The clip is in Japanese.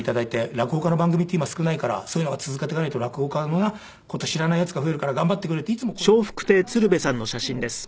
「落語家の番組って今少ないからそういうのは続けていかないと落語家の事を知らないヤツが増えるから頑張ってくれ」っていつも声かけてくれるんですよ。